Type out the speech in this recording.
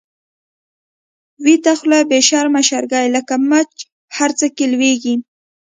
ويته خوله بی شرمه شرګی، لکه مچ هر څه کی لويږی